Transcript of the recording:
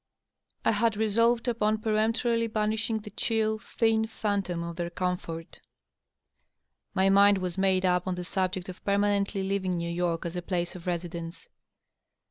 I had resolved upon peremptorily banishing uie chill, thin phantom of their comfort My mind was made up on the subject of permanently leaving New York as a place of residence.